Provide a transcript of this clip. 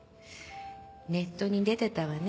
ネットに出てたわね